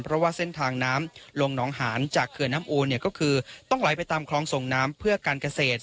เพราะว่าเส้นทางน้ำลงหนองหานจากเขื่อนน้ำอูเนี่ยก็คือต้องไหลไปตามคลองส่งน้ำเพื่อการเกษตร